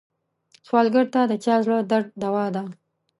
سوالګر ته د چا زړه درد دوا ده